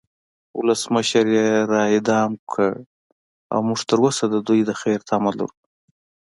ولسمشر یی را اعدام کړو او مونږ تروسه د دوی د خیر تمه لرو